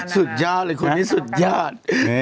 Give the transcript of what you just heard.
สุดยอดเลยคนนี้สุดยอด